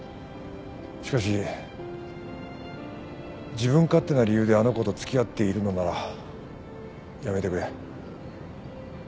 しかし自分勝手な理由であの子と付き合っているのならやめてくれ。